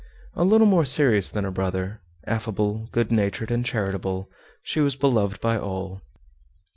A little more serious than her brother, affable, good natured, and charitable, she was beloved by all.